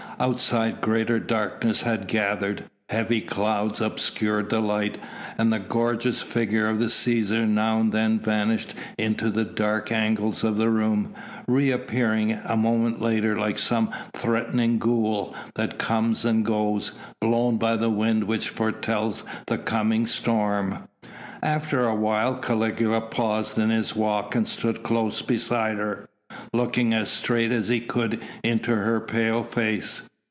Outside greater darkness had gathered, heavy clouds obscured the light, and the gorgeous figure of the Cæsar now and then vanished into the dark angles of the room, reappearing a moment later like some threatening ghoul that comes and goes, blown by the wind which foretells the coming storm. After a while Caligula paused in his walk and stood close beside her, looking as straight as he could into her pale face.